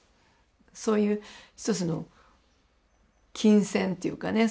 そういう一つの琴線っていうかね